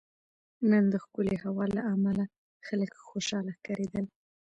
نن دښکلی هوا له عمله خلک خوشحاله ښکاریدل